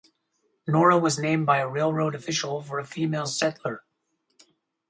Nora was named by a railroad official for a female settler.